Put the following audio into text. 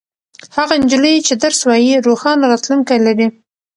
هغه نجلۍ چې درس وايي روښانه راتلونکې لري.